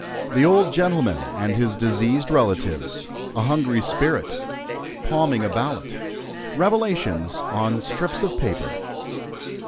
THE OLD GENTLEMAN AND HIS "DISEASED" RELATIVES. A "HUNGRY SPIRIT." "PALMING" A BALLOT. REVELATIONS ON STRIPS OF PAPER.